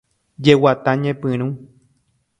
Jeguata ñepyrũ.